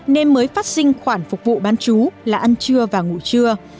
nên mới phát sinh khoản phục vụ bán chú là ăn trưa và ngủ trưa